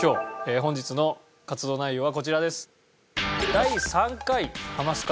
本日の活動内容はこちらです。